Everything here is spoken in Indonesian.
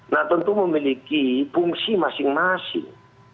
nah tentu memiliki fungsi masing masing